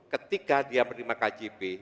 ketika dia menerima kaji berikutnya